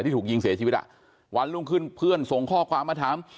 ถูกยิงเสียชีวิตอ่ะวันรุ่งขึ้นเพื่อนส่งข้อความมาถาม